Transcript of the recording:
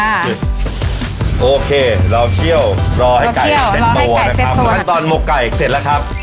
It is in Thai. อ่าโอเคเราเที่ยวรอให้ไก่เส้นโทนนะครับเหมือนกันตอนหมกไก่เสร็จแล้วครับ